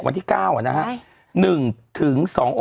วันที่๙อะนะคะ